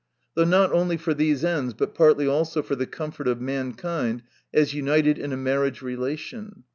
Though not only for these ends, but partly also for the comfort of mankind as united in a marriage relation.